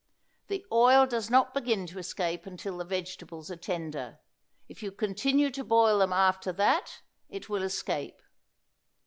The oil does not begin to escape until the vegetables are tender; if you continue to boil them after that, it will escape.